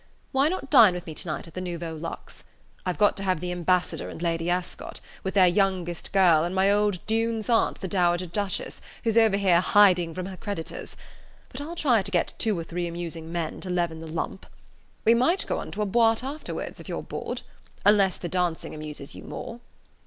Why not dine with me to night at the Nouveau Luxe? I've got to have the Ambassador and Lady Ascot, with their youngest girl and my old Dunes aunt, the Dowager Duchess, who's over here hiding from her creditors; but I'll try to get two or three amusing men to leaven the lump. We might go on to a boite afterward, if you're bored. Unless the dancing amuses you more...."